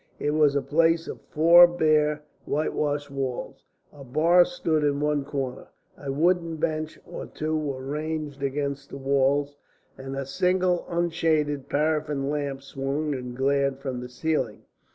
It was a place of four bare whitewashed walls; a bar stood in one corner, a wooden bench or two were ranged against the walls, and a single unshaded paraffin lamp swung and glared from the ceiling.